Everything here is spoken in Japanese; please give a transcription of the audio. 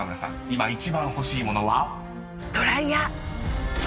今一番欲しい物は？］